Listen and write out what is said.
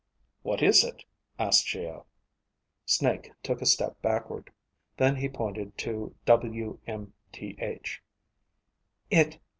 "What is it?" asked Geo. Snake took a step backward. Then he pointed to WMTH. _It